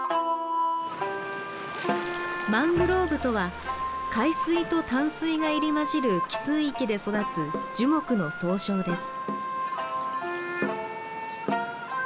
マングローブとは海水と淡水が入り交じる汽水域で育つ樹木の総称です。